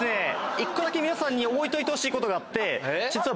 １個だけ皆さんに覚えておいてほしいことあって実は。